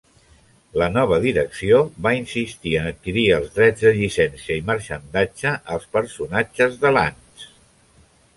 La nova direcció va insistir en adquirir els drets de llicència i marxandatge als personatges de Lantz.